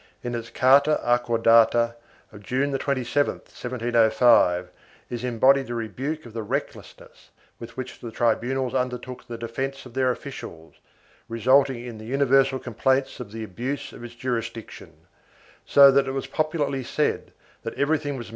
In its carta acordada of June 27, 1705, is embodied a rebuke of the reckless ness with which the tribunals undertook the defence of their officials, resulting in the universal complaints of the abuse of its jurisdiction, so that it was popularly said that everything was 1 Llorente, Hist.